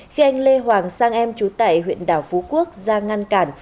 khi anh lê hoàng sang em trú tại huyện đảo phú quốc ra ngăn cản